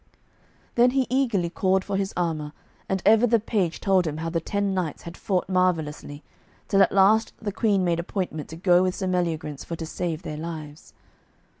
Then he eagerly called for his armour, and ever the page told him how the ten knights had fought marvellously, till at last the Queen made appointment to go with Sir Meliagrance for to save their lives.